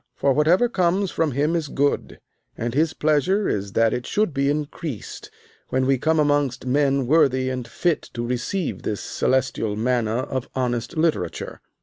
For whatever comes from him is good, and his pleasure is that it should be increased when we come amongst men worthy and fit to receive this celestial manna of honest literature.